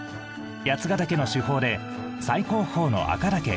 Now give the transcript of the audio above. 八ヶ岳の主峰で最高峰の赤岳へ。